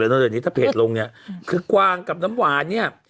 เดี๋ยวนี้ถ้าเพจลงเนี่ยคือกวางกับน้ำหวานเนี่ย